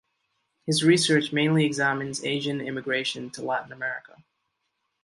His research mainly examines Asian immigration to Latin America.